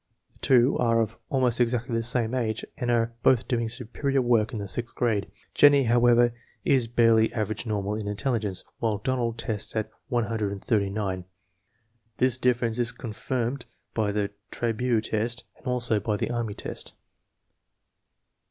The two are of almost exactly the same age and are both doing "superior" work hi the sixth grade. Jennie, however, is barely average normal in intelligence, while Donald tests at 139. This difference is confirmed by the Trabue test and also by the Army test.